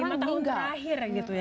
lima tahun terakhir gitu ya